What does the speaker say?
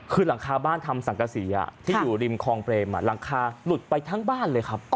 คือหลังคาบ้านทำสังกษีที่อยู่ริมคลองเปรมหลังคาหลุดไปทั้งบ้านเลยครับ